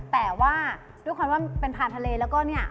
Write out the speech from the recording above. แต่ว่าด้วยความว่ามันเป็นผ่านทะเลแล้วก็เนี่ย